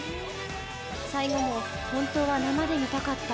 最後も本当は生で見たかった。